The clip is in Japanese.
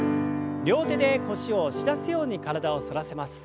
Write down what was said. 両手で腰を押し出すように体を反らせます。